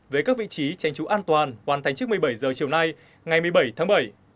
với các vị trí tranh trú an toàn hoàn thành trước một mươi bảy h chiều nay ngày một mươi bảy tháng bảy